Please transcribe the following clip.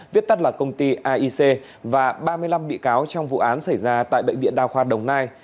viết tắt là công ty aic và ba mươi năm bị cáo trong vụ án xảy ra tại bệnh viện đa khoa đồng nai